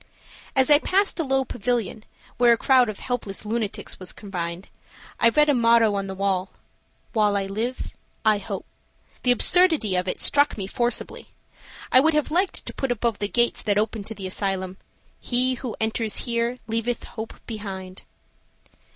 As I passed a low pavilion, where a crowd of helpless lunatics were confined, I read a motto on the wall, "While I live I hope." The absurdity of it struck me forcibly. I would have liked to put above the gates that open to the asylum, "He who enters here leaveth hope behind."